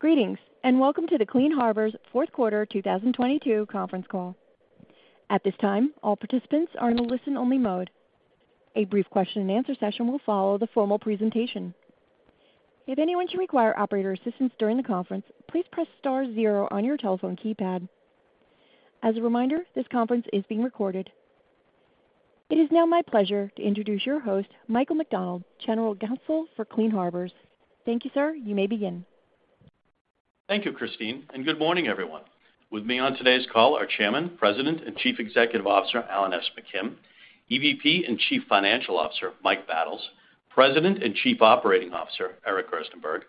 Greetings, welcome to the Clean Harbors fourth quarter 2022 conference call. At this time, all participants are in a listen-only mode. A brief question-and-answer session will follow the formal presentation. If anyone should require operator assistance during the conference, please press star zero on your telephone keypad. As a reminder, this conference is being recorded. It is now my pleasure to introduce your host, Michael McDonald, General Counsel for Clean Harbors. Thank you, sir. You may begin. Thank you, Christine. Good morning, everyone. With me on today's call are Chairman, President, and Chief Executive Officer, Alan S. McKim; EVP and Chief Financial Officer, Mike Battles; President and Chief Operating Officer, Eric Gerstenberg;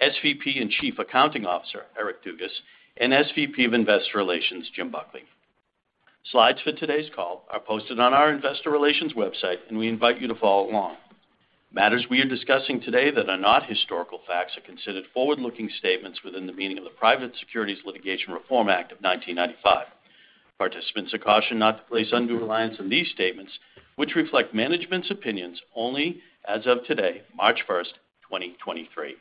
SVP and Chief Accounting Officer, Eric Dugas; and SVP of Investor Relations, Jim Buckley. Slides for today's call are posted on our investor relations website, and we invite you to follow along. Matters we are discussing today that are not historical facts are considered forward-looking statements within the meaning of the Private Securities Litigation Reform Act of 1995. Participants are cautioned not to place undue reliance on these statements, which reflect management's opinions only as of today, March 1, 2023.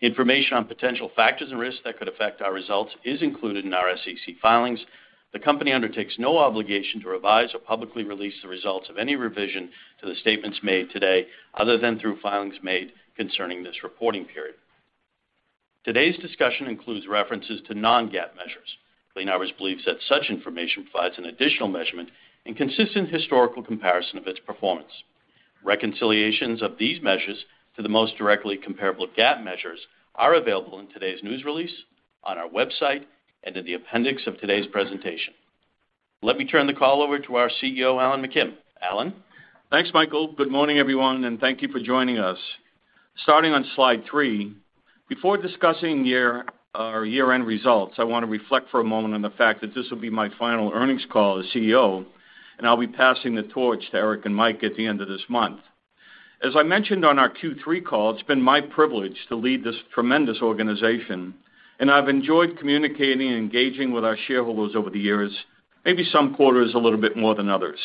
Information on potential factors and risks that could affect our results is included in our SEC filings. The company undertakes no obligation to revise or publicly release the results of any revision to the statements made today other than through filings made concerning this reporting period. Today's discussion includes references to non-GAAP measures. Clean Harbors believes that such information provides an additional measurement and consistent historical comparison of its performance. Reconciliations of these measures to the most directly comparable GAAP measures are available in today's news release, on our website, and in the appendix of today's presentation. Let me turn the call over to our CEO, Alan McKim. Alan? Thanks, Michael. Good morning, everyone, thank you for joining us. Starting on Slide three, before discussing our year-end results, I want to reflect for a moment on the fact that this will be my final earnings call as CEO, and I'll be passing the torch to Eric and Mike at the end of this month. As I mentioned on our Q3 call, it's been my privilege to lead this tremendous organization, and I've enjoyed communicating and engaging with our shareholders over the years, maybe some quarters a little bit more than others.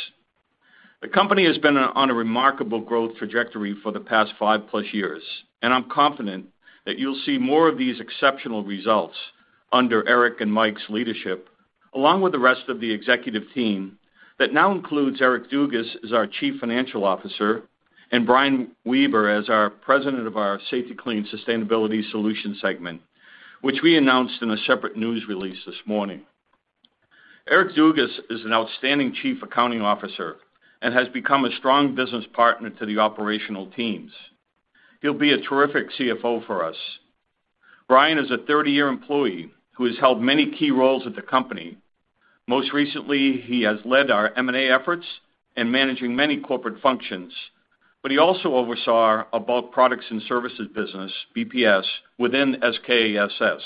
The company has been on a remarkable growth trajectory for the past five-plus years, and I'm confident that you'll see more of these exceptional results under Eric and Mike's leadership, along with the rest of the executive team that now includes Eric Dugas as our Chief Financial Officer and Brian Weber as our President of our Safety-Kleen Sustainability Solutions segment, which we announced in a separate news release this morning. Eric Dugas is an outstanding Chief Accounting Officer and has become a strong business partner to the operational teams. He'll be a terrific CFO for us. Brian is a 30-year employee who has held many key roles at the company. Most recently, he has led our M&A efforts and managing many corporate functions, but he also oversaw our Base Products and Services business, BPS, within SKSS.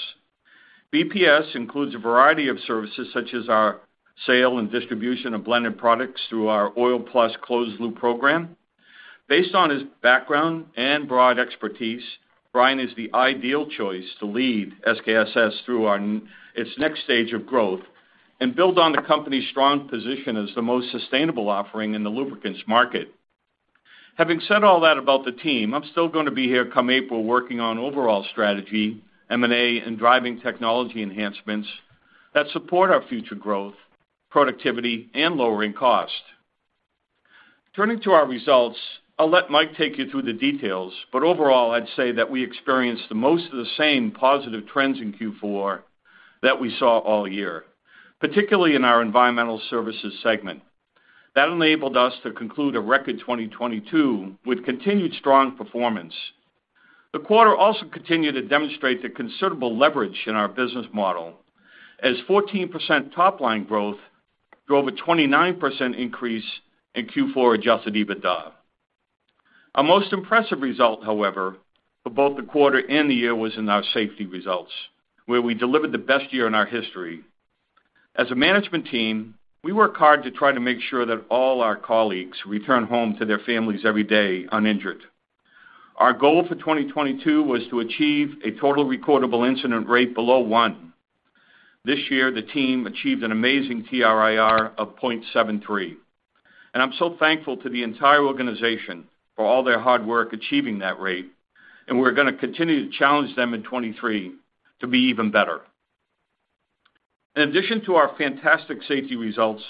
BPS includes a variety of services such as our sale and distribution of blended products through our OilPlus closed loop program. Based on his background and broad expertise, Brian is the ideal choice to lead SKSS through on its next stage of growth and build on the company's strong position as the most sustainable offering in the lubricants market. Having said all that about the team, I'm still gonna be here come April working on overall strategy, M&A, and driving technology enhancements that support our future growth, productivity, and lowering cost. Turning to our results, I'll let Mike take you through the details, but overall I'd say that we experienced the most of the same positive trends in Q4 that we saw all year, particularly in our environmental services segment. That enabled us to conclude a record 2022 with continued strong performance. The quarter also continued to demonstrate the considerable leverage in our business model as 14% top-line growth drove a 29% increase in Q4 adjusted EBITDA. Our most impressive result, however, for both the quarter and the year was in our safety results, where we delivered the best year in our history. As a management team, we work hard to try to make sure that all our colleagues return home to their families every day uninjured. Our goal for 2022 was to achieve a total recordable incident rate below one. This year, the team achieved an amazing TRIR of 0.73. I'm so thankful to the entire organization for all their hard work achieving that rate, and we're gonna continue to challenge them in 2023 to be even better. In addition to our fantastic safety results,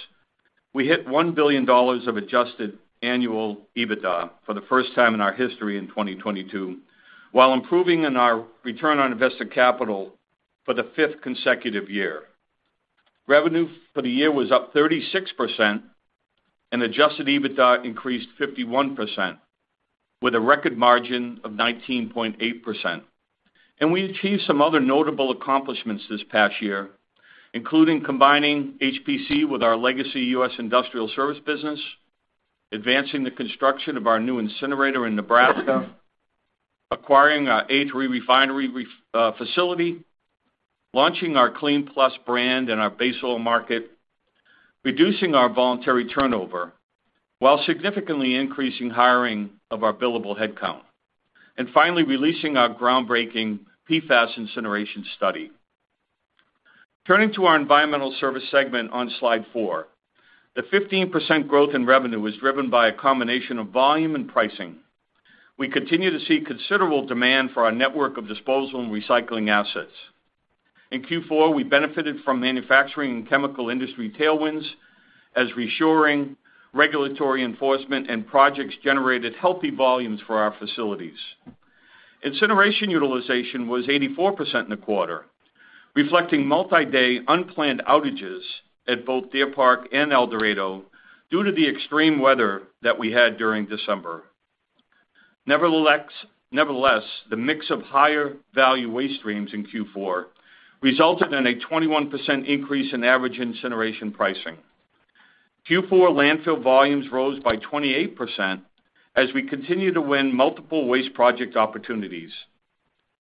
we hit $1 billion of adjusted annual EBITDA for the first time in our history in 2022, while improving in our ROIC for the fifth consecutive year. Revenue for the year was up 36% and adjusted EBITDA increased 51% with a record margin of 19.8%. We achieved some other notable accomplishments this past year, including combining HPC with our legacy U.S. industrial service business, advancing the construction of our new incinerator in Nebraska, acquiring our A3 refinery facility, launching our KLEEN+ brand in our base oil market, reducing our voluntary turnover while significantly increasing hiring of our billable headcount, and finally, releasing our groundbreaking PFAS incineration study. Turning to our environmental service segment on Slide four. The 15% growth in revenue was driven by a combination of volume and pricing. We continue to see considerable demand for our network of disposal and recycling assets. In Q4, we benefited from manufacturing and chemical industry tailwinds as reshoring, regulatory enforcement, and projects generated healthy volumes for our facilities. Incineration utilization was 84% in the quarter, reflecting multi-day unplanned outages at both Deer Park and El Dorado due to the extreme weather that we had during December. Nevertheless, the mix of higher value waste streams in Q4 resulted in a 21% increase in average incineration pricing. Q4 landfill volumes rose by 28% as we continue to win multiple waste project opportunities.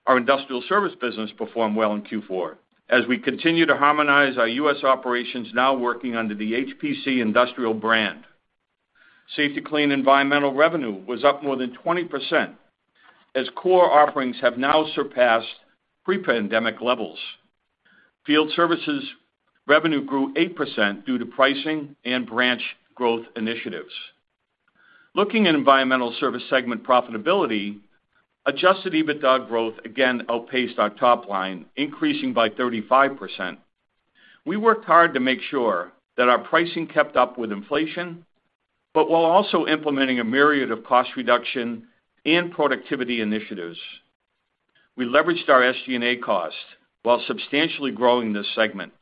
Our industrial service business performed well in Q4 as we continue to harmonize our U.S. operations now working under the HPC Industrial brand. Safety-Kleen environmental revenue was up more than 20% as core offerings have now surpassed pre-pandemic levels. Field services revenue grew 8% due to pricing and branch growth initiatives. Looking at environmental service segment profitability, adjusted EBITDA growth again outpaced our top line, increasing by 35%. We worked hard to make sure that our pricing kept up with inflation, but while also implementing a myriad of cost reduction and productivity initiatives. We leveraged our SG&A costs while substantially growing this segment.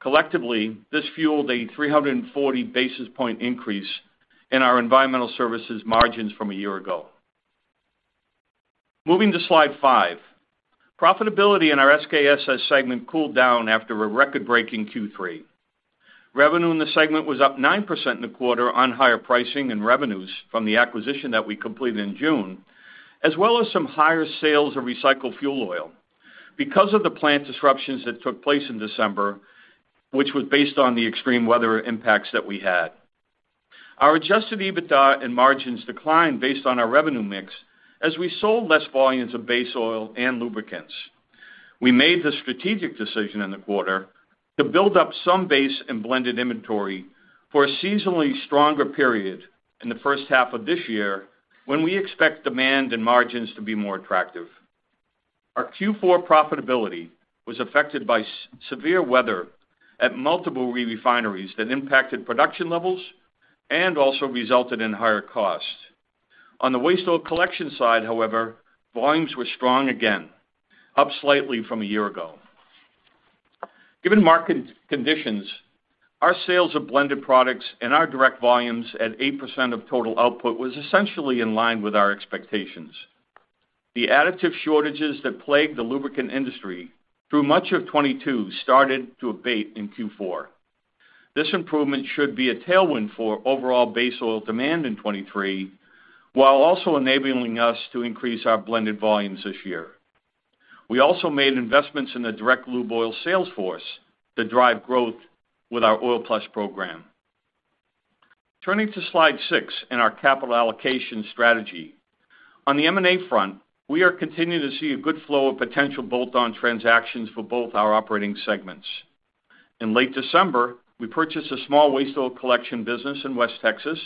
Collectively, this fueled a 340 basis point increase in our environmental services margins from a year ago. Moving to Slide five. Profitability in our SKSS segment cooled down after a record-breaking Q3. Revenue in the segment was up 9% in the quarter on higher pricing and revenues from the acquisition that we completed in June, as well as some higher sales of recycled fuel oil because of the plant disruptions that took place in December, which was based on the extreme weather impacts that we had. Our adjusted EBITDA and margins declined based on our revenue mix as we sold less volumes of base oil and lubricants. We made the strategic decision in the quarter to build up some base and blended inventory for a seasonally stronger period in the first half of this year when we expect demand and margins to be more attractive. Our Q4 profitability was affected by severe weather at multiple refineries that impacted production levels and also resulted in higher costs. On the waste oil collection side, however, volumes were strong again, up slightly from a year ago. Given market conditions, our sales of blended products and our direct volumes at 8% of total output was essentially in line with our expectations. The additive shortages that plagued the lubricant industry through much of 2022 started to abate in Q4. This improvement should be a tailwind for overall base oil demand in 2023, while also enabling us to increase our blended volumes this year. We also made investments in the direct lube oil sales force to drive growth with our OilPlus program. Turning to Slide six in our capital allocation strategy. On the M&A front, we are continuing to see a good flow of potential bolt-on transactions for both our operating segments. In late December, we purchased a small waste oil collection business in West Texas,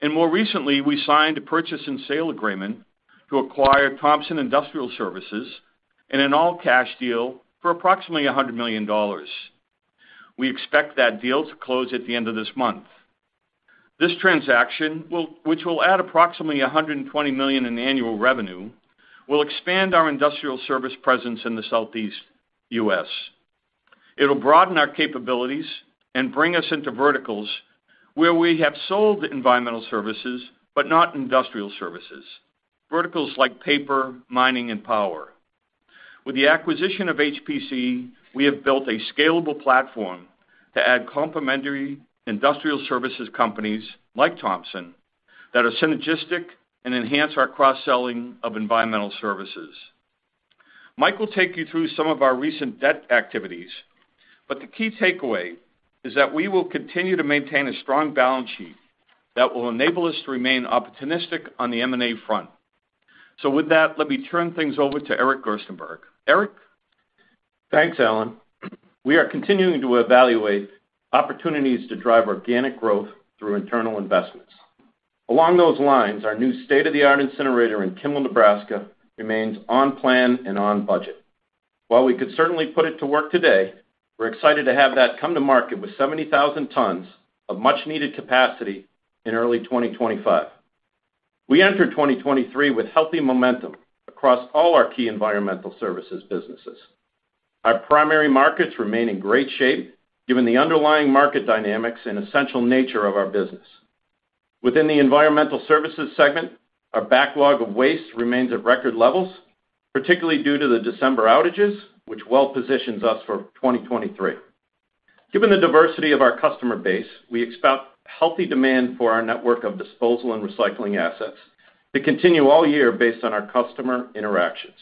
and more recently, we signed a purchase and sale agreement to acquire Thompson Industrial Services in an all-cash deal for approximately $100 million. We expect that deal to close at the end of this month. This transaction, which will add approximately $120 million in annual revenue, will expand our industrial service presence in the Southeast U.S. It'll broaden our capabilities and bring us into verticals where we have sold environmental services, but not industrial services, verticals like paper, mining, and power. With the acquisition of HPC, we have built a scalable platform to add complementary industrial services companies like Thompson that are synergistic and enhance our cross-selling of environmental services. Mike Battles will take you through some of our recent debt activities, but the key takeaway is that we will continue to maintain a strong balance sheet that will enable us to remain opportunistic on the M&A front. With that, let me turn things over to Eric Gerstenberg. Eric? Thanks, Alan. We are continuing to evaluate opportunities to drive organic growth through internal investments. Along those lines, our new state-of-the-art incinerator in Kimball, Nebraska remains on plan and on budget. While we could certainly put it to work today, we're excited to have that come to market with 70,000 tons of much-needed capacity in early 2025. We enter 2023 with healthy momentum across all our key environmental services businesses. Our primary markets remain in great shape given the underlying market dynamics and essential nature of our business. Within the environmental services segment, our backlog of waste remains at record levels, particularly due to the December outages, which well positions us for 2023. Given the diversity of our customer base, we expect healthy demand for our network of disposal and recycling assets to continue all year based on our customer interactions.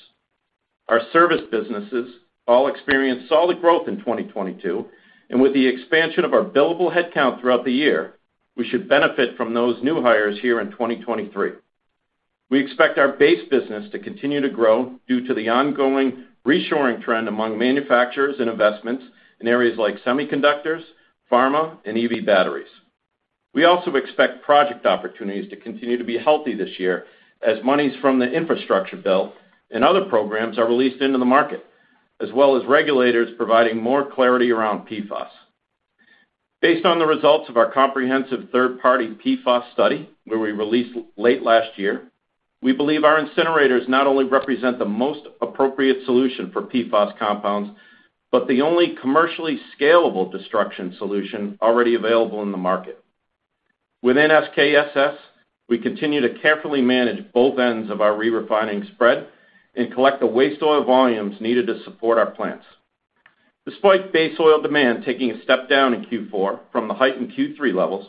Our service businesses all experienced solid growth in 2022. With the expansion of our billable headcount throughout the year, we should benefit from those new hires here in 2023. We expect our base business to continue to grow due to the ongoing reshoring trend among manufacturers and investments in areas like semiconductors, pharma, and EV batteries. We also expect project opportunities to continue to be healthy this year as monies from the infrastructure bill and other programs are released into the market, as well as regulators providing more clarity around PFAS. Based on the results of our comprehensive third-party PFAS study, where we released late last year, we believe our incinerators not only represent the most appropriate solution for PFAS compounds, but the only commercially scalable destruction solution already available in the market. With SKSS, we continue to carefully manage both ends of our re-refining spread and collect the waste oil volumes needed to support our plants. Despite base oil demand taking a step down in Q4 from the heightened Q3 levels,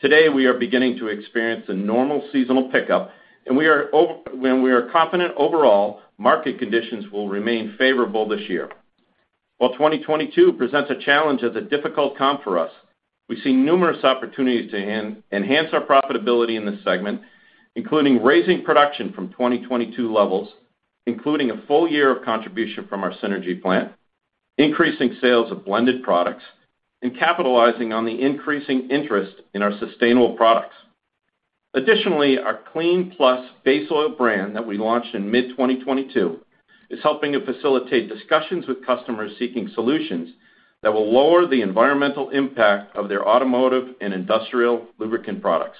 today we are beginning to experience a normal seasonal pickup, and we are confident overall market conditions will remain favorable this year. While 2022 presents a challenge as a difficult comp for us, we see numerous opportunities to enhance our profitability in this segment, including raising production from 2022 levels, including a full year of contribution from our synergy plan, increasing sales of blended products, and capitalizing on the increasing interest in our sustainable products. Additionally, our KLEEN+ base oil brand that we launched in mid-2022 is helping to facilitate discussions with customers seeking solutions that will lower the environmental impact of their automotive and industrial lubricant products.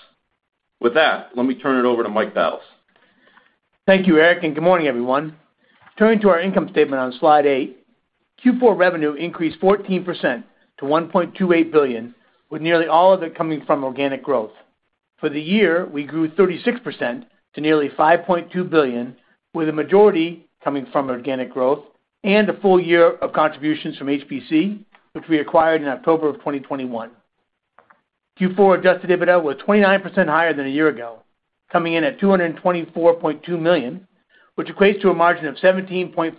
With that, let me turn it over to Mike Battles. Thank you, Eric, and good morning, everyone. Turning to our income statement on Slide eight, Q4 revenue increased 14% to $1.28 billion, with nearly all of it coming from organic growth. For the year, we grew 36% to nearly $5.2 billion, with a majority coming from organic growth and a full year of contributions from HPC, which we acquired in October 2021. Q4 adjusted EBITDA was 29% higher than a year ago, coming in at $224.2 million, which equates to a margin of 17.5%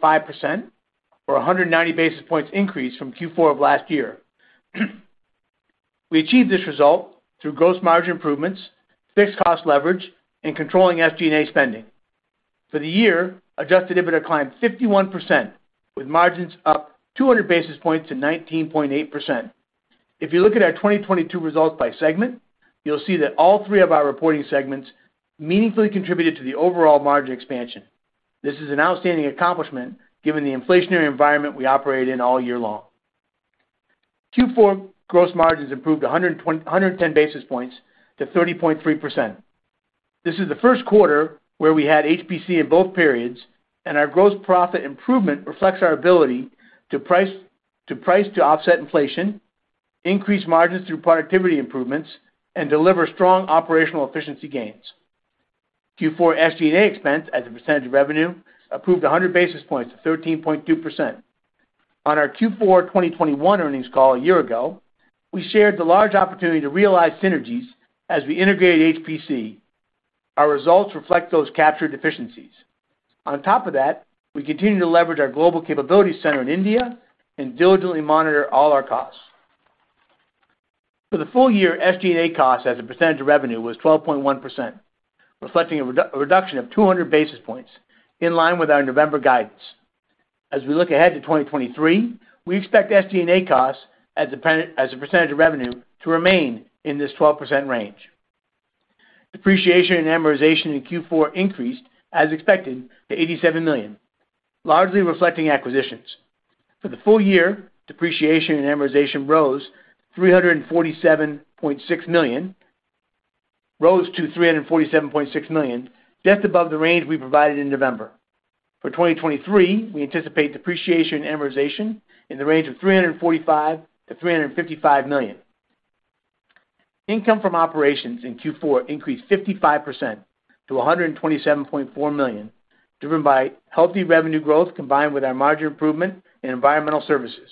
or a 190 basis points increase from Q4 of last year. We achieved this result through gross margin improvements, fixed cost leverage, and controlling SG&A spending. For the year, adjusted EBITDA climbed 51%, with margins up 200 basis points to 19.8%. If you look at our 2022 results by segment, you'll see that all three of our reporting segments meaningfully contributed to the overall margin expansion. This is an outstanding accomplishment given the inflationary environment we operated in all year long. Q4 gross margins improved 110 basis points to 30.3%. This is the first quarter where we had HPC in both periods, and our gross profit improvement reflects our ability to price to offset inflation, increase margins through productivity improvements, and deliver strong operational efficiency gains. Q4 SG&A expense as a percentage of revenue improved 100 basis points to 13.2%. On our Q4 2021 earnings call a year ago, we shared the large opportunity to realize synergies as we integrated HPC. Our results reflect those captured efficiencies. On top of that, we continue to leverage our global capability center in India and diligently monitor all our costs. For the full year, SG&A costs as a percentage of revenue was 12.1%, reflecting a reduction of 200 basis points in line with our November guidance. As we look ahead to 2023, we expect SG&A costs as a percentage of revenue to remain in this 12% range. Depreciation and amortization in Q4 increased, as expected, to $87 million, largely reflecting acquisitions. For the full year, depreciation and amortization rose to $347.6 million, just above the range we provided in November. For 2023, we anticipate depreciation and amortization in the range of $345 million-$355 million. Income from operations in Q4 increased 55% to $127.4 million, driven by healthy revenue growth combined with our margin improvement in environmental services.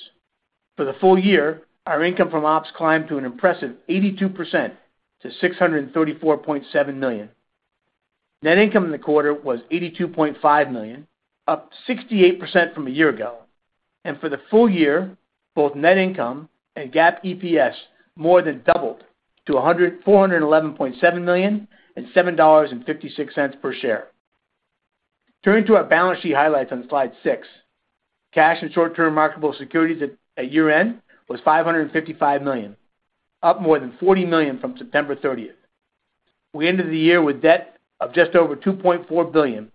For the full year, our income from ops climbed to an impressive 82% to $634.7 million. Net income in the quarter was $82.5 million, up 68% from a year ago. For the full year, both net income and GAAP EPS more than doubled to $411.7 million and $7.56 per share. Turning to our balance sheet highlights on Slide six. Cash and short-term marketable securities at year-end was $555 million, up more than $40 million from September 30. We ended the year with debt of just over $2.4 billion.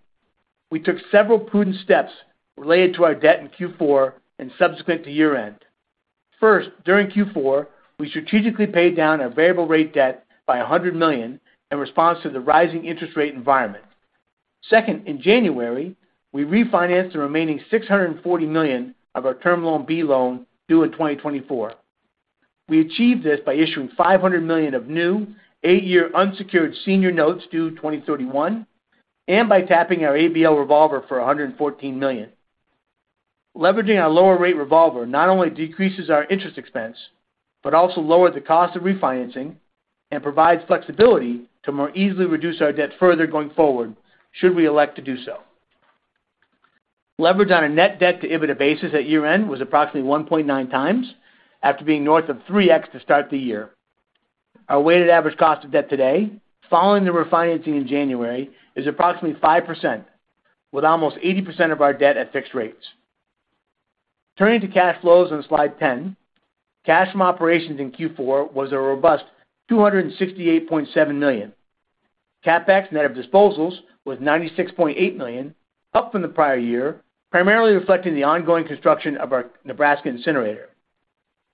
We took several prudent steps related to our debt in Q4 and subsequent to year-end. First, during Q4, we strategically paid down our variable rate debt by $100 million in response to the rising interest rate environment. Second, in January, we refinanced the remaining $640 million of our term loan B loan due in 2024. We achieved this by issuing $500 million of new eight-year unsecured senior notes due 2031, and by tapping our ABL revolver for $114 million. Leveraging our lower rate revolver not only decreases our interest expense, but also lowered the cost of refinancing and provides flexibility to more easily reduce our debt further going forward should we elect to do so. Leverage on a net debt to EBITDA basis at year-end was approximately 1.9 times after being north of 3x to start the year. Our weighted average cost of debt today, following the refinancing in January, is approximately 5%, with almost 80% of our debt at fixed rates. Turning to cash flows on Slide ten. Cash from operations in Q4 was a robust $268.7 million. CapEx net of disposals was $96.8 million, up from the prior year, primarily reflecting the ongoing construction of our Nebraska incinerator.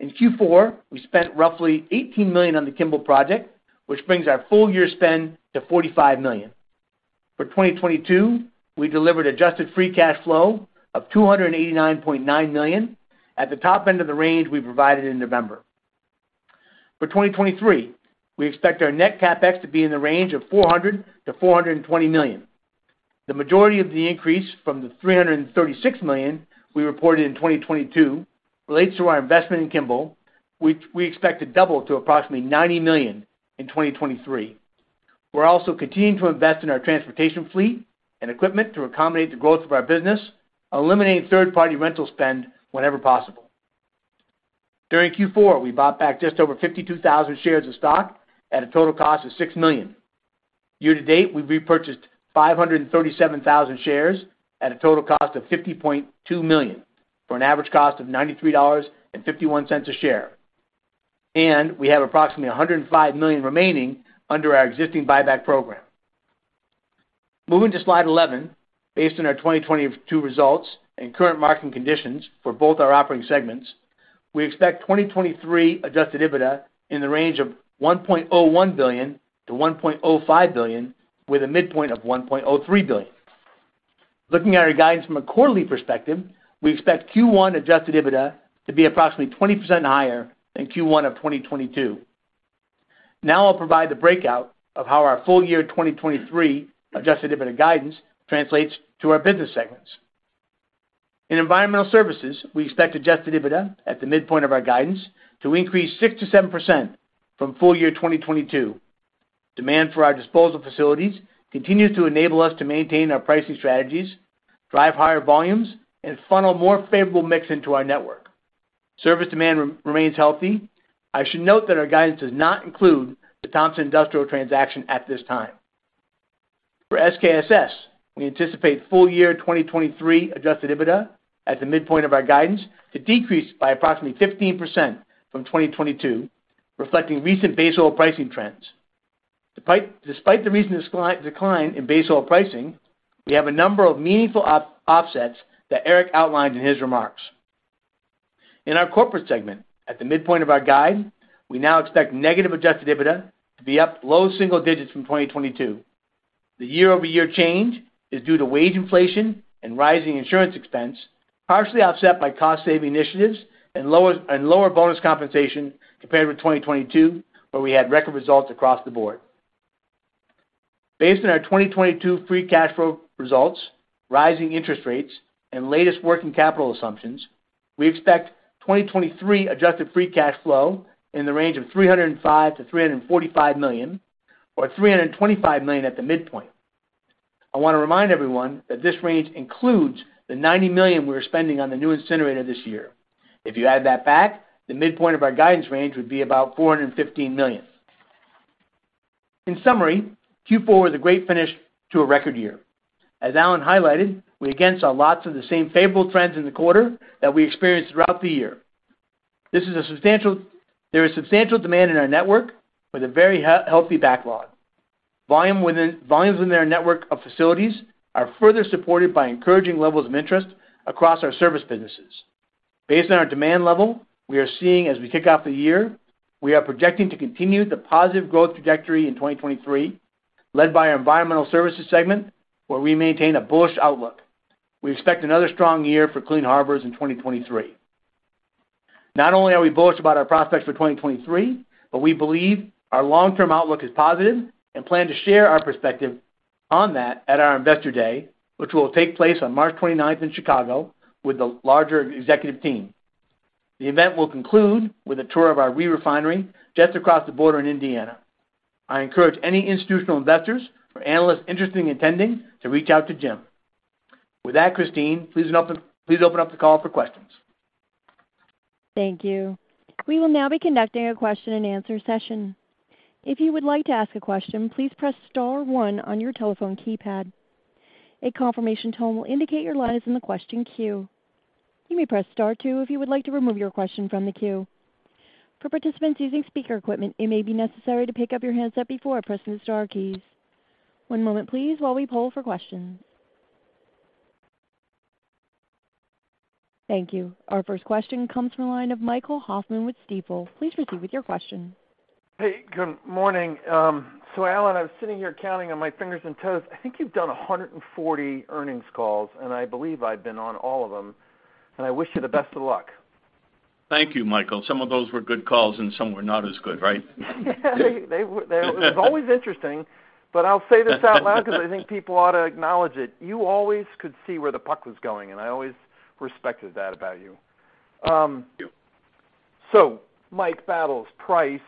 In Q4, we spent roughly $18 million on the Kimball project, which brings our full year spend to $45 million. For 2022, we delivered adjusted Free Cash Flow of $289.9 million at the top end of the range we provided in November. For 2023, we expect our net CapEx to be in the range of $400 million-$420 million. The majority of the increase from the $336 million we reported in 2022 relates to our investment in Kimball, which we expect to double to approximately $90 million in 2023. We're also continuing to invest in our transportation fleet and equipment to accommodate the growth of our business, eliminating third-party rental spend whenever possible. During Q4, we bought back just over 52,000 shares of stock at a total cost of $6 million. Year to date, we've repurchased 537,000 shares at a total cost of $50.2 million for an average cost of $93.51 a share. We have approximately $105 million remaining under our existing buyback program. Moving to Slide 11. Based on our 2022 results and current market conditions for both our operating segments, we expect 2023 adjusted EBITDA in the range of $1.01 billion-$1.05 billion, with a midpoint of $1.03 billion. Looking at our guidance from a quarterly perspective, we expect Q1 adjusted EBITDA to be approximately 20% higher than Q1 of 2022. Now I'll provide the breakout of how our full year 2023 adjusted EBITDA guidance translates to our business segments. In Environmental Services, we expect adjusted EBITDA at the midpoint of our guidance to increase 6%-7% from full year 2022. Demand for our disposal facilities continues to enable us to maintain our pricing strategies, drive higher volumes, and funnel more favorable mix into our network. Service demand remains healthy. I should note that our guidance does not include the Thompson Industrial transaction at this time. For SKSS, we anticipate full year 2023 adjusted EBITDA at the midpoint of our guidance to decrease by approximately 15% from 2022, reflecting recent base oil pricing trends. Despite the recent decline in base oil pricing, we have a number of meaningful offsets that Eric outlined in his remarks. In our corporate segment, at the midpoint of our guide, we now expect negative adjusted EBITDA to be up low single digits from 2022. The year-over-year change is due to wage inflation and rising insurance expense, partially offset by cost-saving initiatives and lower bonus compensation compared with 2022, where we had record results across the board. Based on our 2022 Free Cash Flow results, rising interest rates, and latest working capital assumptions, we expect 2023 adjusted Free Cash Flow in the range of $305 million-$345 million or $325 million at the midpoint. I want to remind everyone that this range includes the $90 million we are spending on the new incinerator this year. If you add that back, the midpoint of our guidance range would be about $415 million. In summary, Q4 was a great finish to a record year. As Alan highlighted, we again saw lots of the same favorable trends in the quarter that we experienced throughout the year. There is substantial demand in our network with a very healthy backlog. volumes within our network of facilities are further supported by encouraging levels of interest across our service businesses. Based on our demand level we are seeing as we kick off the year, we are projecting to continue the positive growth trajectory in 2023, led by our Environmental Services segment, where we maintain a bullish outlook. We expect another strong year for Clean Harbors in 2023. Not only are we bullish about our prospects for 2023, but we believe our long-term outlook is positive and plan to share our perspective on that at our Investor Day, which will take place on March 29th in Chicago with the larger executive team. The event will conclude with a tour of our re-refinery just across the border in Indiana. I encourage any institutional investors or analysts interested in attending to reach out to Jim. With that, Christine, please open up the call for questions. Thank you. We will now be conducting a question-and-answer session. If you would like to ask a question, please press star one on your telephone keypad. A confirmation tone will indicate your line is in the question queue. You may press Star two if you would like to remove your question from the queue. For participants using speaker equipment, it may be necessary to pick up your handset before pressing the star keys. One moment please while we poll for questions. Thank you. Our first question comes from the line of Michael Hoffman with Stifel. Please proceed with your question. Hey, good morning. Alan, I was sitting here counting on my fingers and toes. I think you've done 140 earnings calls, and I believe I've been on all of them, and I wish you the best of luck. Thank you, Michael. Some of those were good calls and some were not as good, right? Yeah, they were, it was always interesting. I'll say this out loud because I think people ought to acknowledge it. You always could see where the puck was going. I always respected that about you. Thank you. Mike Battles, price,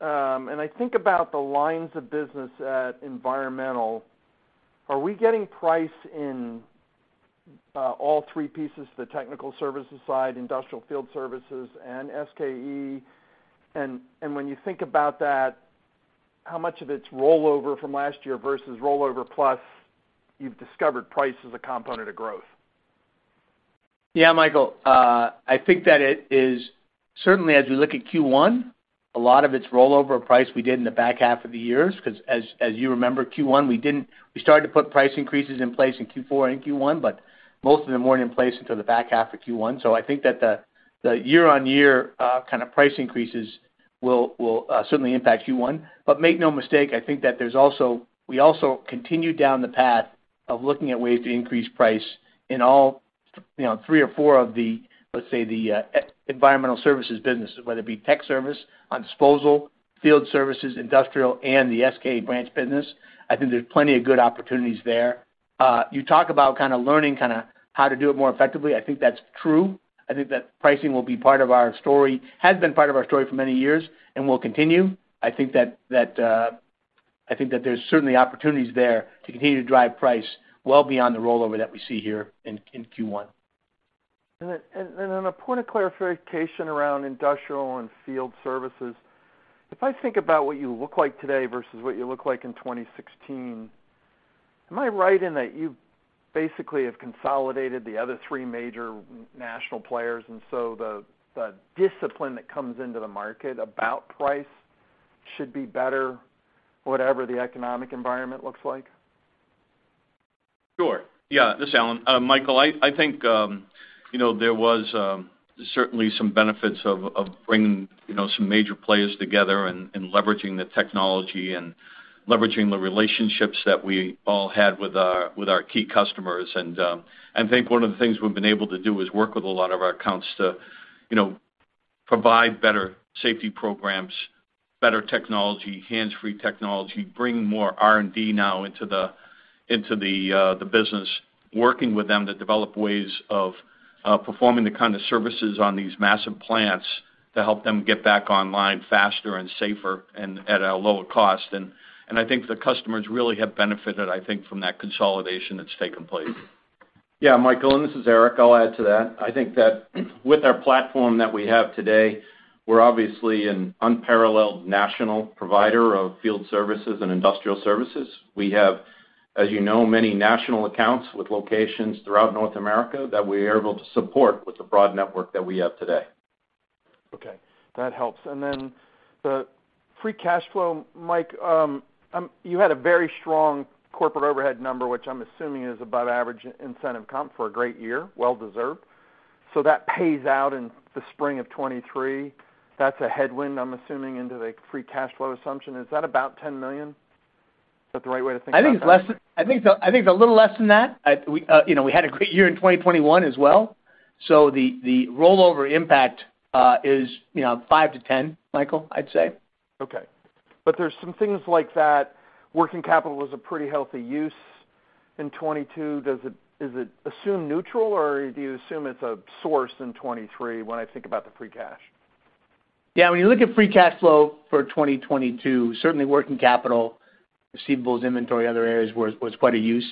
and I think about the lines of business at environmental. Are we getting price in all three pieces, the technical services side, industrial field services, and SKE? When you think about that, how much of it's rollover from last year versus rollover plus you've discovered price as a component of growth? Yeah, Michael, I think that Certainly as we look at Q1, a lot of its rollover price we did in the back half of the years 'cause as you remember, Q1 we started to put price increases in place in Q4 and Q1, but most of them weren't in place until the back half of Q1. I think that the year-on-year kind of price increases will certainly impact Q1. Make no mistake, I think that we also continue down the path of looking at ways to increase price in all, you know, three or four of the, let's say, the environmental services businesses, whether it be tech service on disposal, field services, industrial, and the SKE branch business. I think there's plenty of good opportunities there. You talk about kinda learning how to do it more effectively. I think that's true. I think that pricing will be part of our story, has been part of our story for many years and will continue. I think that there's certainly opportunities there to continue to drive price well beyond the rollover that we see here in Q1. A point of clarification around industrial and field services. If I think about what you look like today versus what you looked like in 2016, am I right in that you basically have consolidated the other three major national players, and so the discipline that comes into the market about price should be better, whatever the economic environment looks like? Sure, yeah. This is Alan. Michael, I think, you know, there was certainly some benefits of bringing, you know, some major players together, leveraging the technology and leveraging the relationships that we all had with our, with our key customers. I think one of the things we've been able to do is work with a lot of our accounts to, you know, provide better safety programs, better technology, hands-free technology, bring more R&D now into the, into the business, working with them to develop ways of performing the kind of services on these massive plants to help them get back online faster and safer and at a lower cost. I think the customers really have benefited, I think, from that consolidation that's taken place. Michael, this is Eric. I'll add to that. I think that with our platform that we have today, we're obviously an unparalleled national provider of field services and industrial services. We have, as you know, many national accounts with locations throughout North America that we are able to support with the broad network that we have today. Okay, that helps. The Free Cash Flow, Mike, you had a very strong corporate overhead number, which I'm assuming is above average incentive comp for a great year, well-deserved. That pays out in the spring of 2023. That's a headwind, I'm assuming, into the Free Cash Flow assumption. Is that about $10 million? Is that the right way to think about that? I think it's a little less than that. We, you know, we had a great year in 2021 as well. The, the rollover impact is, you know, 5-10, Michael, I'd say. Okay. There's some things like that working capital is a pretty healthy use in 2022. Is it assumed neutral, or do you assume it's a source in 2023 when I think about the free cash? Yeah, when you look at Free Cash Flow for 2022, certainly working capital, receivables, inventory, other areas was quite a use.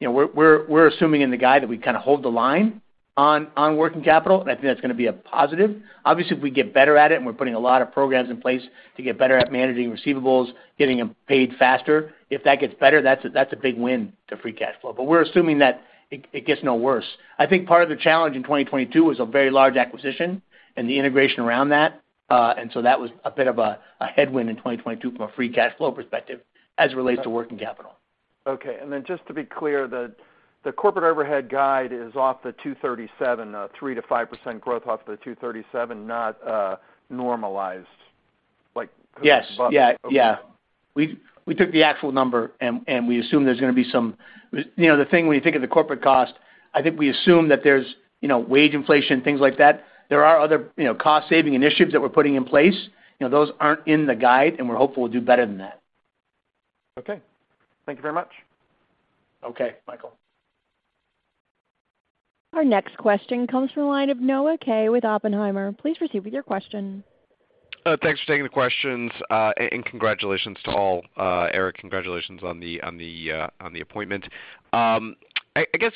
You know, we're assuming in the guide that we kinda hold the line on working capital, and I think that's gonna be a positive. Obviously, if we get better at it, and we're putting a lot of programs in place to get better at managing receivables, getting them paid faster. If that gets better, that's a big win to Free Cash Flow. We're assuming that it gets no worse. I think part of the challenge in 2022 was a very large acquisition and the integration around that. That was a bit of a headwind in 2022 from a Free Cash Flow perspective as it relates to working capital. Okay. Then just to be clear, the corporate overhead guide is off the 237, 3%-5% growth off the 237, not normalized? Yes. Yeah, yeah. Okay. We took the actual number and we assume there's gonna be some. You know, the thing when you think of the corporate cost, I think we assume that there's, you know, wage inflation, things like that. There are other, you know, cost saving initiatives that we're putting in place. You know, those aren't in the guide, and we're hopeful we'll do better than that. Okay. Thank you very much. Okay, Michael. Our next question comes from the line of Noah Kaye with Oppenheimer. Please proceed with your question. Thanks for taking the questions, and congratulations to all. Eric, congratulations on the appointment. I guess,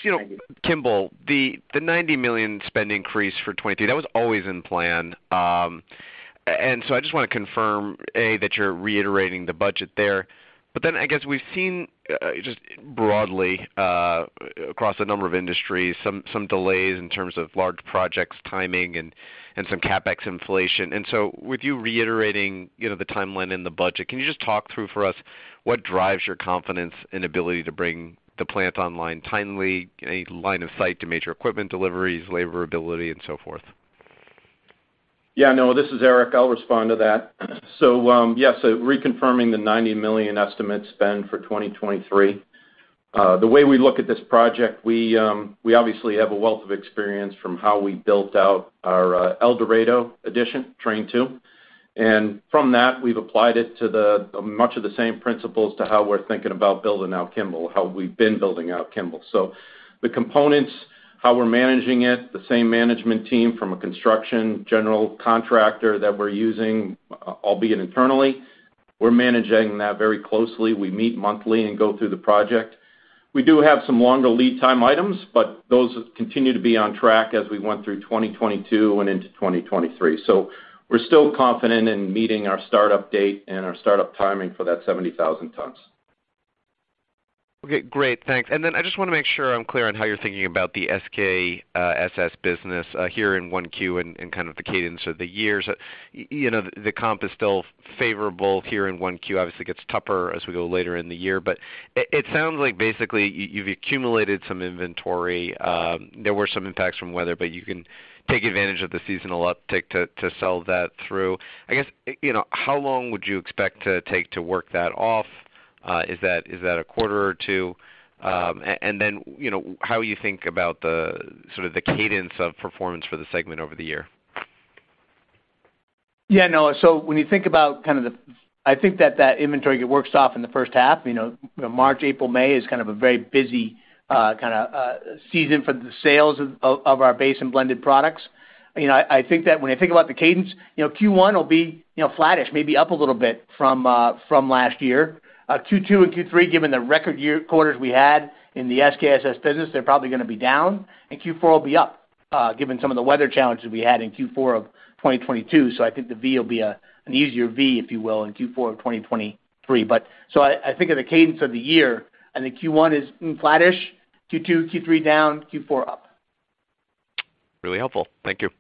Kimball, the $90 million spend increase for 2023, that was always in plan. I just wanna confirm, A, that you're reiterating the budget there. I guess we've seen, just broadly, across a number of industries, some delays in terms of large projects timing and some CapEx inflation. With you reiterating the timeline and the budget, can you just talk through for us what drives your confidence and ability to bring the plant online timely, any line of sight to major equipment deliveries, labor ability, and so forth? Yeah, Noah, this is Eric. I'll respond to that. Yes, so reconfirming the $90 million estimate spend for 2023. The way we look at this project, we obviously have a wealth of experience from how we built out our El Dorado addition, train 2. From that, we've applied it to the much of the same principles to how we're thinking about building out Kimball, how we've been building out Kimball. The components, how we're managing it, the same management team from a construction general contractor that we're using, albeit internally, we're managing that very closely. We meet monthly and go through the project. We do have some longer lead time items, but those continue to be on track as we went through 2022 and into 2023. We're still confident in meeting our start-up date and our start-up timing for that 70,000 tons. Okay, great. Thanks. I just wanna make sure I'm clear on how you're thinking about the SKSS business, here in 1Q and kind of the cadence of the years. You know, the comp is still favorable here in 1Q. Obviously gets tougher as we go later in the year. It sounds like basically you've accumulated some inventory. There were some impacts from weather, but you can take advantage of the seasonal uptick to sell that through. I guess, you know, how long would you expect to take to work that off? Is that a quarter or 2? You know, how you think about the sort of the cadence of performance for the segment over the year. When you think about kind of the... I think that that inventory get works off in the 1st half, you know, March, April, May is kind of a very busy season for the sales of our base and blended products. You know, I think that when I think about the cadence, you know, Q1 will be, you know, flattish, maybe up a little bit from last year. Q2 and Q3, given the record year quarters we had in the SKSS business, they're probably gonna be down, and Q4 will be up, given some of the weather challenges we had in Q4 of 2022. I think the V will be an easier V, if you will, in Q4 of 2023. I think of the cadence of the year, I think Q1 is flattish, Q2, Q3 down, Q4 up. Really helpful. Thank you.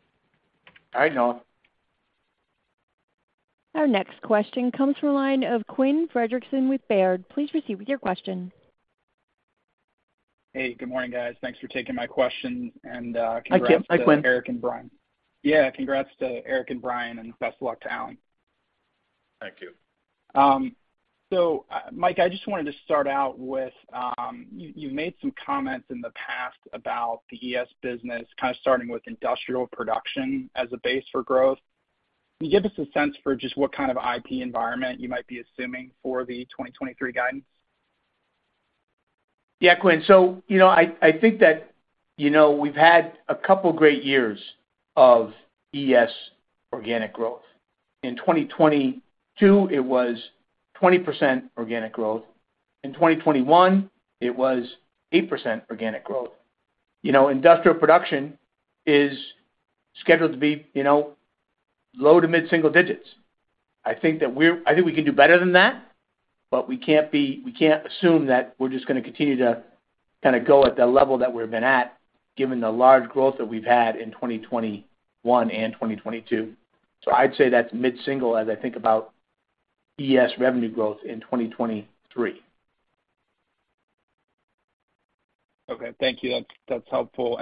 All right, Noah. Our next question comes from a line of Quinn Fredrickson with Baird. Please proceed with your question. Hey, good morning, guys. Thanks for taking my question... Hi, Quinn. Hi, Quinn.... to Eric and Brian. Congrats to Eric and Brian, and best of luck to Alan. Thank you. Mike, I just wanted to start out with, you made some comments in the past about the ES business, kind of starting with industrial production as a base for growth. Can you give us a sense for just what kind of IP environment you might be assuming for the 2023 guidance? Yeah, Quinn. you know, I think that, you know, we've had a couple great years of ES organic growth. In 2022, it was 20% organic growth. In 2021, it was 8% organic growth. You know, industrial production is scheduled to be, you know, low to mid-single digits. I think we can do better than that, but we can't assume that we're just gonna continue to kinda go at the level that we've been at, given the large growth that we've had in 2021 and 2022. I'd say that's mid-single as I think about ES revenue growth in 2023. Okay, thank you. That's helpful.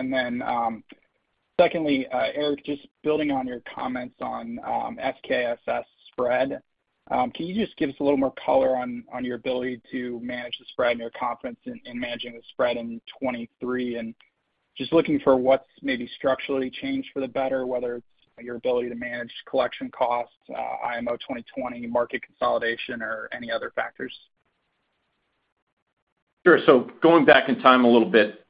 Secondly, Eric, just building on your comments on SKSS spread, can you just give us a little more color on your ability to manage the spread and your confidence in managing the spread in 2023? Just looking for what's maybe structurally changed for the better, whether it's your ability to manage collection costs, IMO 2020 market consolidation, or any other factors. Sure. Going back in time a little bit,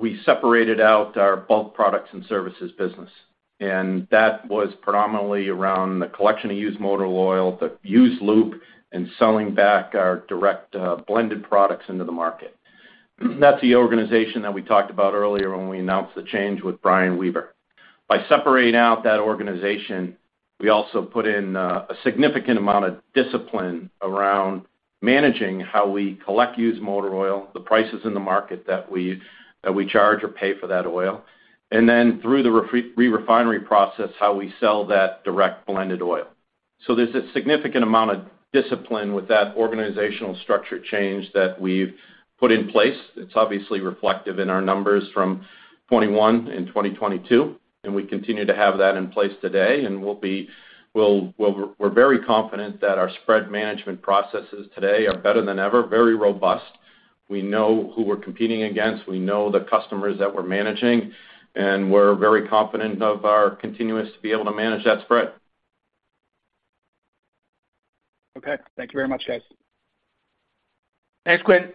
we separated out our Bulk Products and Services business, and that was predominantly around the collection of used motor oil, the used loop, and selling back our direct blended products into the market. That's the organization that we talked about earlier when we announced the change with Brian Weber. By separating out that organization, we also put in a significant amount of discipline around managing how we collect used motor oil, the prices in the market that we charge or pay for that oil. Then through the re-refinery process, how we sell that direct blended oil. There's a significant amount of discipline with that organizational structure change that we've put in place. It's obviously reflective in our numbers from 2021 and 2022, we continue to have that in place today. We're very confident that our spread management processes today are better than ever, very robust. We know who we're competing against, we know the customers that we're managing, and we're very confident of our continuous to be able to manage that spread. Okay. Thank you very much, guys. Thanks, Quinn.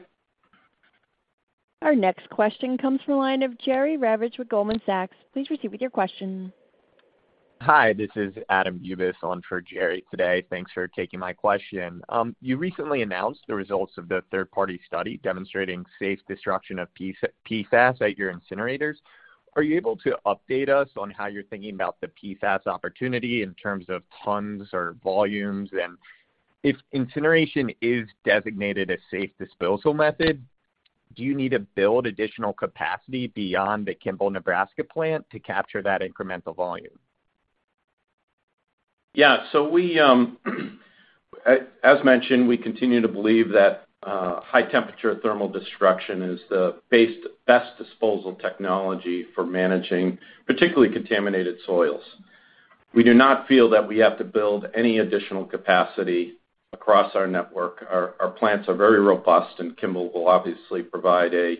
Our next question comes from the line of Jerry Revich with Goldman Sachs. Please proceed with your question. Hi, this is Adam Bubes on for Jerry today. Thanks for taking my question. You recently announced the results of the third-party study demonstrating safe destruction of PFAS at your incinerators. Are you able to update us on how you're thinking about the PFAS opportunity in terms of tons or volumes? If incineration is designated a safe disposal method, do you need to build additional capacity beyond the Kimball Nebraska plant to capture that incremental volume? We, as mentioned, we continue to believe that high temperature thermal destruction is the best disposal technology for managing particularly contaminated soils. We do not feel that we have to build any additional capacity across our network. Our plants are very robust, and Kimball will obviously provide a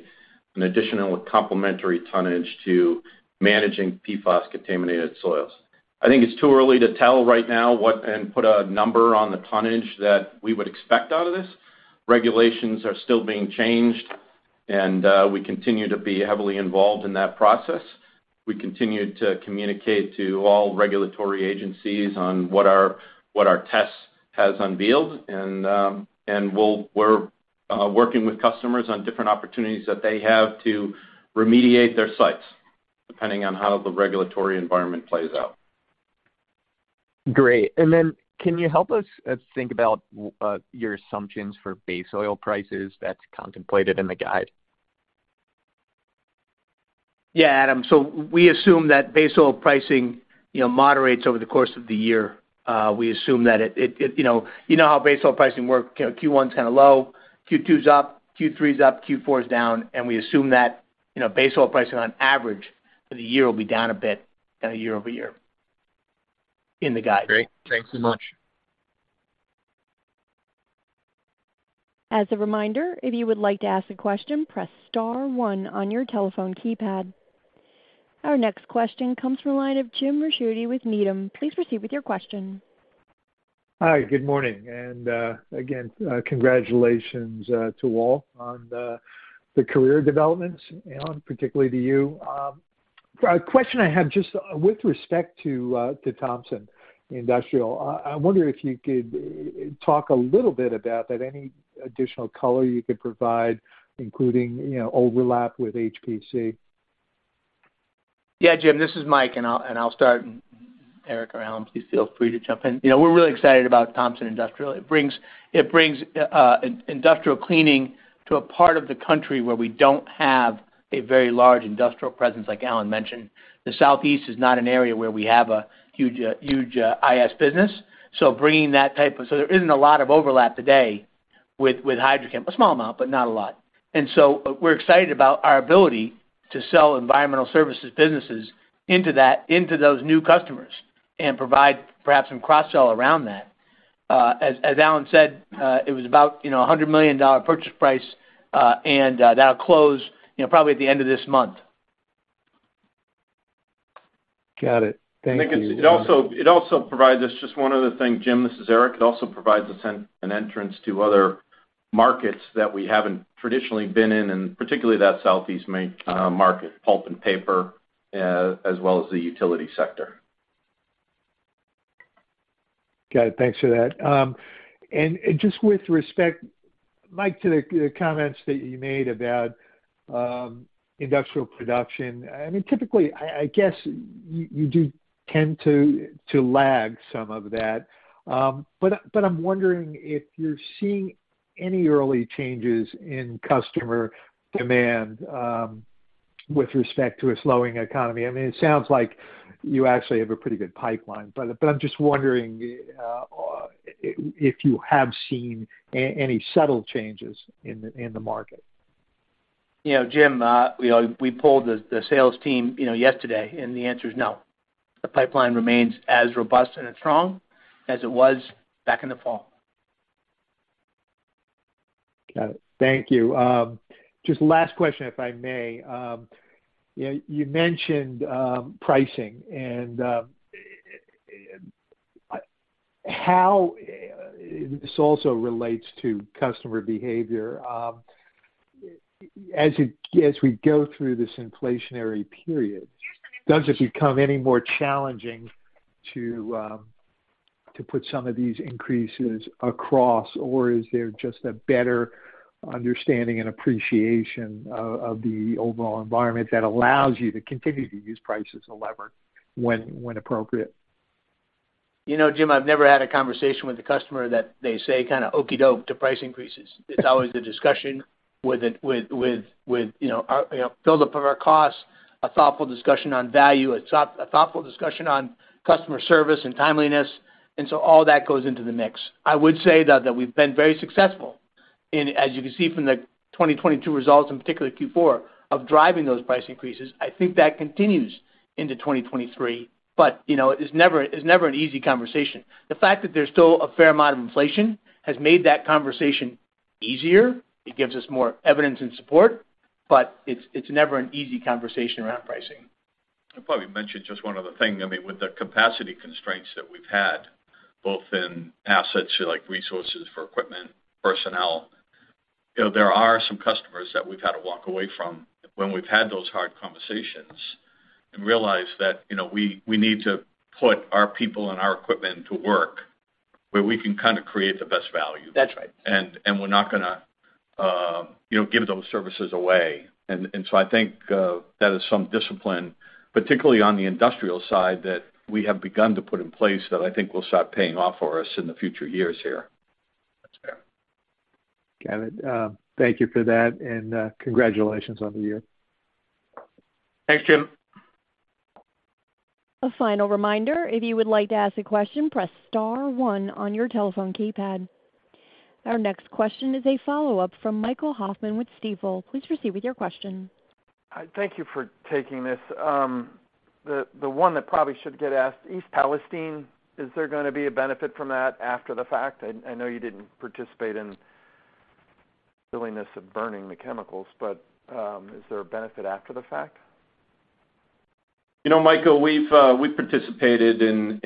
complementary tonnage to managing PFAS contaminated soils. I think it's too early to tell right now and put a number on the tonnage that we would expect out of this. Regulations are still being changed, and we continue to be heavily involved in that process. We continue to communicate to all regulatory agencies on what our test has unveiled, and we're working with customers on different opportunities that they have to remediate their sites depending on how the regulatory environment plays out. Great. Can you help us think about your assumptions for base oil prices that's contemplated in the guide? Yeah, Adam. We assume that base oil pricing, you know, moderates over the course of the year. We assume that it, you know how base oil pricing work. Q1 is kind of low, Q2 is up, Q3 is up, Q4 is down. We assume that, you know, base oil pricing on average for the year will be down a bit kind of year-over-year in the guide. Great. Thanks so much. As a reminder, if you would like to ask a question, press star one on your telephone keypad. Our next question comes from the line of James Ricchiuti with Needham. Please proceed with your question. Hi, good morning, and again, congratulations to all on the career developments, Alan, particularly to you. A question I had just with respect to Thompson Industrial. I wonder if you could talk a little bit about that. Any additional color you could provide, including, you know, overlap with HPC. Yeah, Jim, this is Mike, and I'll start. Eric or Alan, please feel free to jump in. You know, we're really excited about Thompson Industrial. It brings industrial cleaning to a part of the country where we don't have a very large industrial presence like Alan mentioned. The Southeast is not an area where we have a huge IS business, so there isn't a lot of overlap today with HydroChemPSC. A small amount, but not a lot. We're excited about our ability to sell environmental services businesses into that, into those new customers and provide perhaps some cross-sell around that. As Alan said, it was about, you know, a $100 million purchase price, and that'll close, you know, probably at the end of this month. Got it. Thank you. I think it also provides us just one other thing, Jim, this is Eric. It also provides us an entrance to other markets that we haven't traditionally been in, particularly that Southeast main market, pulp and paper, as well as the utility sector. Got it. Thanks for that. Just with respect, Mike, to the comments that you made about industrial production. I mean, typically, I guess you do tend to lag some of that. I'm wondering if you're seeing any early changes in customer demand, with respect to a slowing economy. I mean, it sounds like you actually have a pretty good pipeline, but I'm just wondering if you have seen any subtle changes in the market. You know, Jim, you know, we polled the sales team, you know, yesterday. The answer is no. The pipeline remains as robust and as strong as it was back in the fall. Got it. Thank you. Just last question, if I may. you know, you mentioned, pricing and, how this also relates to customer behavior. as we go through this inflationary period, does it become any more challenging to put some of these increases across, or is there just a better understanding and appreciation of the overall environment that allows you to continue to use prices to lever when appropriate? You know, Jim, I've never had a conversation with a customer that they say kind of okie doke to price increases. It's always a discussion with, with, you know, our, you know, build up of our costs, a thoughtful discussion on value, a thoughtful discussion on customer service and timeliness. All that goes into the mix. I would say, though, that we've been very successful in, as you can see from the 2022 results, in particular Q4, of driving those price increases. I think that continues into 2023, but you know, it's never an easy conversation. The fact that there's still a fair amount of inflation has made that conversation easier. It gives us more evidence and support, but it's never an easy conversation around pricing. I'll probably mention just one other thing. I mean, with the capacity constraints that we've had, both in assets like resources for equipment, personnel, you know, there are some customers that we've had to walk away from when we've had those hard conversations and realize that, you know, we need to put our people and our equipment to work where we can kind of create the best value. That's right. We're not gonna, you know, give those services away. I think, that is some discipline, particularly on the industrial side, that we have begun to put in place that I think will start paying off for us in the future years here. That's fair. Got it. Thank you for that, and congratulations on the year. Thanks, Jim. A final reminder, if you would like to ask a question, press star one on your telephone keypad. Our next question is a follow-up from Michael Hoffman with Stifel. Please proceed with your question. I thank you for taking this. The one that probably should get asked, East Palestine, is there going to be a benefit from that after the fact? I know you didn't participate in the silliness of burning the chemicals, but is there a benefit after the fact? You know, Michael, we've participated in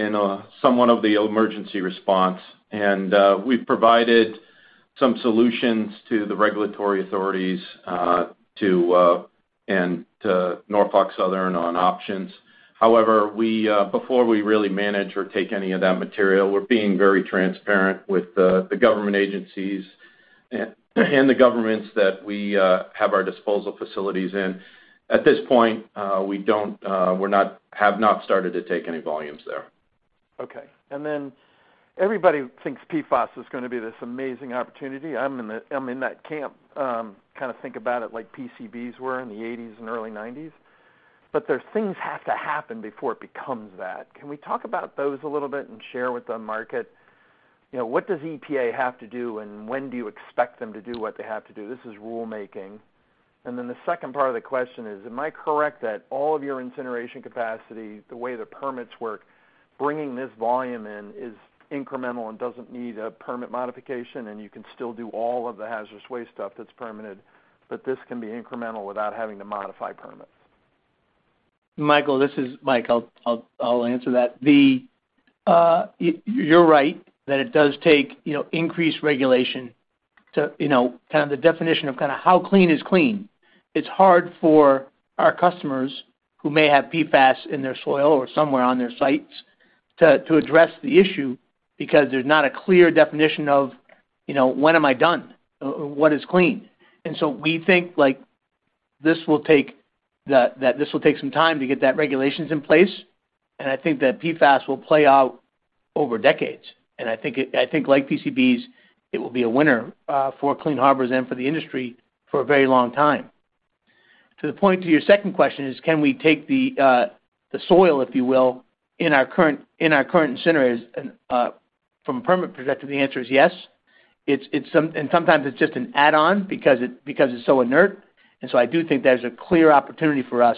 somewhat of the emergency response, and we've provided some solutions to the regulatory authorities, to, and to Norfolk Southern on options. We before we really manage or take any of that material, we're being very transparent with the government agencies and the governments that we have our disposal facilities in. At this point, we don't, we're not, have not started to take any volumes there. Okay. Everybody thinks PFAS is gonna be this amazing opportunity. I'm in that camp, kind of think about it like PCBs were in the eighties and early nineties, there's things have to happen before it becomes that. Can we talk about those a little bit and share with the market? You know, what does EPA have to do, and when do you expect them to do what they have to do? This is rulemaking. The second part of the question is, am I correct that all of your incineration capacity, the way the permits work, bringing this volume in is incremental and doesn't need a permit modification, and you can still do all of the hazardous waste stuff that's permitted, but this can be incremental without having to modify permits? Michael, this is Mike. I'll answer that. The you're right that it does take, you know, increased regulation to, you know, kind of the definition of kinda how clean is clean. It's hard for our customers who may have PFAS in their soil or somewhere on their sites to address the issue because there's not a clear definition of, you know, when am I done? Or what is clean? We think, like, this will take some time to get that regulations in place, and I think that PFAS will play out over decades. I think like PCBs, it will be a winner for Clean Harbors and for the industry for a very long time. To the point to your second question is can we take the soil, if you will, in our current, in our current incinerators, from a permit perspective, the answer is yes. Sometimes it's just an add-on because it's so inert. I do think there's a clear opportunity for us.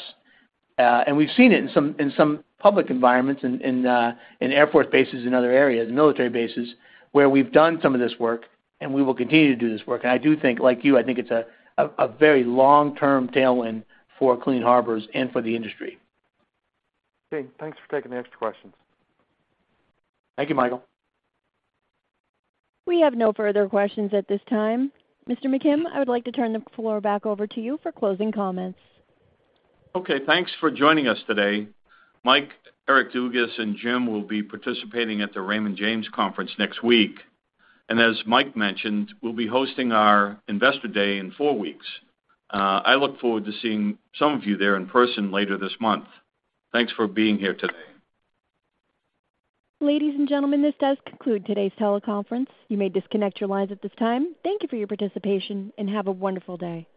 We've seen it in some, in some public environments in air force bases in other areas, military bases, where we've done some of this work, and we will continue to do this work. I do think, like you, I think it's a very long-term tailwind for Clean Harbors and for the industry. Okay, thanks for taking the extra questions. Thank you, Michael. We have no further questions at this time. Mr. McKim, I would like to turn the floor back over to you for closing comments. Okay, thanks for joining us today. Mike, Eric Dugas, and Jim will be participating at the Raymond James Conference next week. As Mike mentioned, we'll be hosting our Investor Day in four weeks. I look forward to seeing some of you there in person later this month. Thanks for being here today. Ladies and gentlemen, this does conclude today's teleconference. You may disconnect your lines at this time. Thank you for your participation, and have a wonderful day.